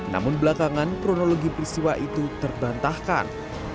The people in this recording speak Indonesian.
namun belakangan kronologi peristiwa itu terbantahkan